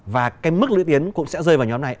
và cái mức lưỡi tiến cũng sẽ rơi vào nhóm này